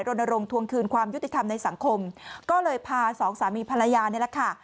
รณรงควงคืนความยุติธรรมในสังคมก็เลยพาสองสามีภรรยานี่แหละค่ะ